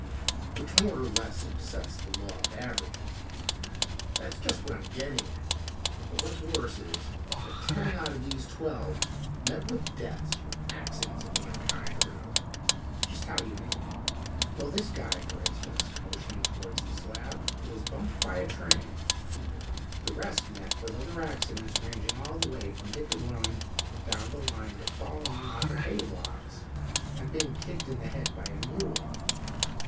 "Which more or less upsets the law of averages." "That's just what I'm getting at. But what's worse, is that ten out of these twelve met with deaths from accidents of one kind or another." "Just how do you mean?" "Well, this guy, for instance," motioning toward the slab, "was bumped by a train. The rest met with other accidents ranging all the way from hit and run, down the line to falling off hay lofts and being kicked in the head by a mule.